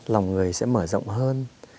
lòng người sẽ mở rộng hơn